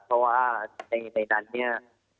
เพราะว่าในนั้นเนี่ย